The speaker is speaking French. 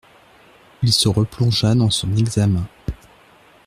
Il se replongea dans son examen.